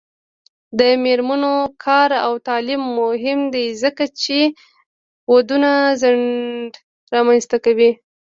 د میرمنو کار او تعلیم مهم دی ځکه چې ودونو ځنډ رامنځته کوي.